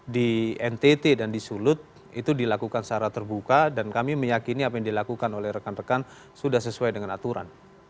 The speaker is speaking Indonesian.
di ntt dan di sulut itu dilakukan secara terbuka dan kami meyakini apa yang dilakukan oleh rekan rekan sudah sesuai dengan aturan